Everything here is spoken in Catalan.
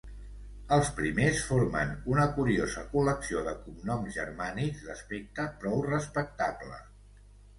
Els primers formen una curiosa col·lecció de cognoms germànics d'aspecte prou respectable.